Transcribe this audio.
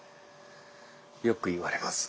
よく言われます。